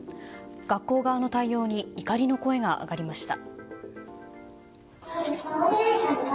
学校側の対応に怒りの声が上がりました。